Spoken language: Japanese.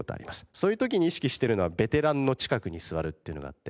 そういう時に意識しているのはベテランの近くに座るっていうのがあって。